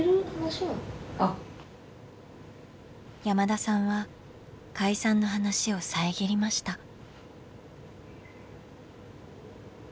山田さんは解散の話を遮りました。